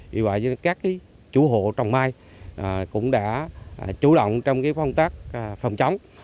vì vậy các chủ hộ trồng mai cũng đã chủ động trong công tác phòng chống